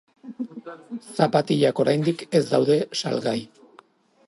Zapatilak oraindik ez daude salgai.